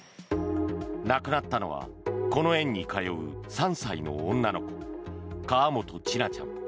亡くなったのはこの園に通う３歳の女の子河本千奈ちゃん。